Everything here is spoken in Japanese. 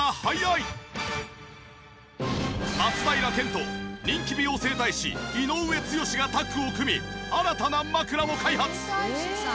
松平健と人気美容整体師井上剛志がタッグを組み新たな枕を開発。